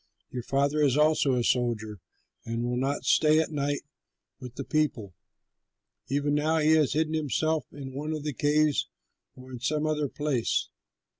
Your father is also a soldier and will not stay at night with the people. Even now he has hidden himself in one of the caves or in some other place.